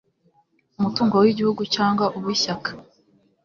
umutungo w igihugu cyangwa uw ishyaka